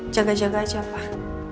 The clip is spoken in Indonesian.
jaga jaga aja pak